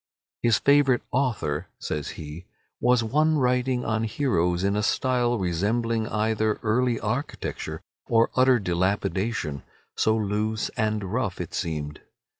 "His favourite author," says he, "was one writing on heroes in a style resembling either early architecture or utter dilapidation, so loose and rough it seemed.